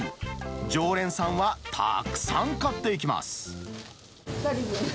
常連さんはたくさん買っていきま２人分。